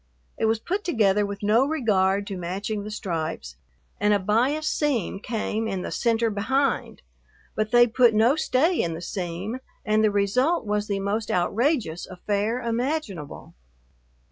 It was put together with no regard to matching the stripes, and a bias seam came in the center behind, but they put no stay in the seam and the result was the most outrageous affair imaginable.